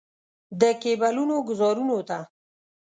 د کیبلونو ګوزارونو ته.